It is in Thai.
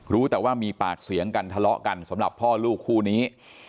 รู้แต่ว่ามีปากเสียงกันทะเลาะกันสำหรับพ่อลูกคู่นี้